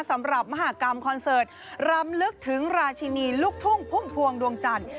มหากรรมคอนเสิร์ตรำลึกถึงราชินีลูกทุ่งพุ่มพวงดวงจันทร์